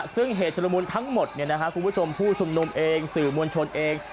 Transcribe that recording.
ซึ่งเหตุจรมนต์ทั้งหมดเนี่ยนะฮะคุณผู้ชมผู้ฉุมหนุ่มเองสื่อมวลชนเอง